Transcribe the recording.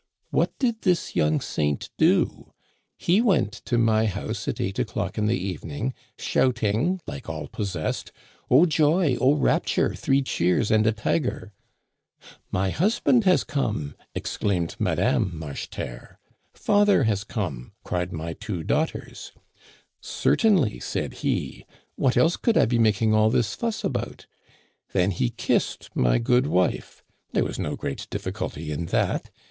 What did this young saint do ? He went to my house at eight o'clock in the evening, shouting, like all possessed :* Oh, joy ! oh, rapture ! Three cheers and a tiger !'My husband has come !' exclaimed Madame Marcheterre. * Father has come !' cried my two daugh ters. Digitized by VjOOQIC 84 THE CANADIANS OF OLD. "* Certainly,' said he ;* what else could I be making all this fuss about ?'" Then he kissed my good wife — there was no great difficulty in that.